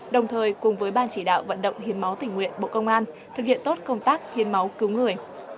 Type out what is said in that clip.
đồng thời cùng với ban chỉ đạo vận động hiến máu tỉnh nguyện bộ công an thực hiện tốt công tác hiến máu cứu người